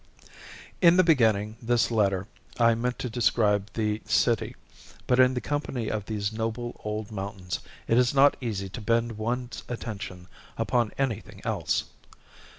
In beginning this letter I meant to describe the city, but in the company of these noble old mountains, it is not easy to bend one's attention upon anything else.